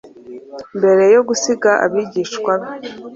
Mbere yo gusiga abigishwa be,